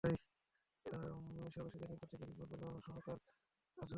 তারা মিসরবাসীদের নিকট থেকে বিপুল পরিমাণ স্বর্ণালংকার ধারস্বরূপ নিয়েছিল।